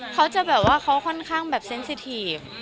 เขาจะแบบว่าเขาค่อนข้างแบบเซ็นสิทีฟ